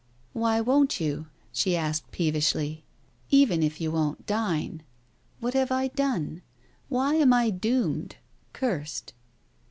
... "Why won't you?" she asked peevishly. "Even if you won't dine? What have I done? Why am I doomed? Cursed.